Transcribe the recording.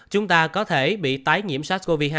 chúng ta có thể bị tái nhiễm sars cov hai